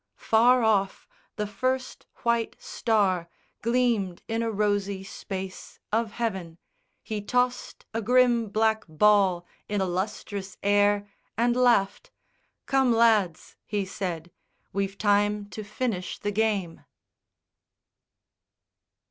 Far off, the first white star Gleamed in a rosy space of heaven. He tossed A grim black ball i' the lustrous air and laughed, "Come lads," he said, "we've time to finish the game."